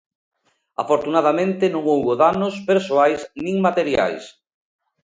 Afortunadamente non houbo danos persoais nin materiais.